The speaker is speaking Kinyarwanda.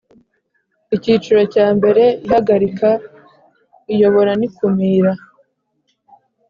Icyiciro cya mbere Ihagarika iyobora n ikumira